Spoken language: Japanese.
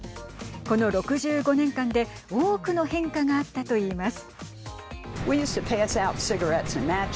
この６５年間で多くの変化があったといいます。